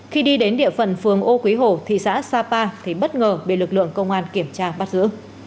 khi đi đến địa phần phường ô quý hổ thị xã sapa thấy bất ngờ bị lực lượng công an kiểm tra bắt giữ